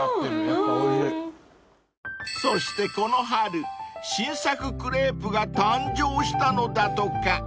［そしてこの春新作クレープが誕生したのだとか］